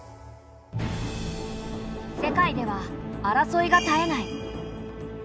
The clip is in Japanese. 世界では争いが絶えない。